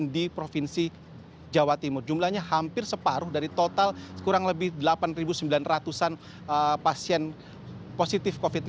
di provinsi jawa timur jumlahnya hampir separuh dari total kurang lebih delapan sembilan ratus an pasien positif covid sembilan belas